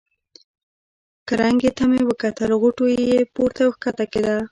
کرنکې ته مې کتل، غوټو یې پورته او کښته کېده.